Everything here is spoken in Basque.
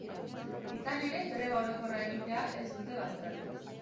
Izan ere, greba orokorra egitea ez dute baztertu.